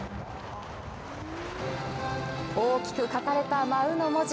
大きく書かれた「舞」の文字。